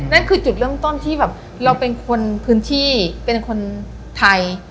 นั่นคือจุดเริ่มต้นที่แบบเราเป็นคนพื้นที่เป็นคนไทย